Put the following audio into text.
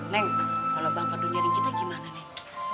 neng kalau bang fadun nyari kita gimana nek